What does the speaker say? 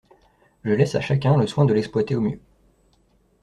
Je laisse à chacun le soin de l’exploiter au mieux.